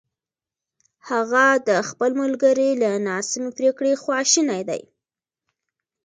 هغه د خپل ملګري له ناسمې پرېکړې خواشینی دی!